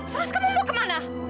terus kamu mau kemana